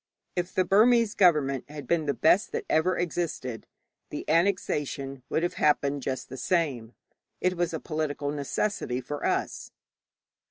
If the Burmese government had been the best that ever existed, the annexation would have happened just the same. It was a political necessity for us.